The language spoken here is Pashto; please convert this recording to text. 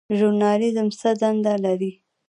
ژورنالیزم څه دنده لري؟